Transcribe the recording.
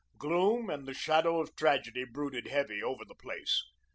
Gloom and the shadow of tragedy brooded heavy over the place.